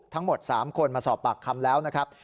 ทั้งหมด๓คนมาสอบปากคำแล้วนะครับ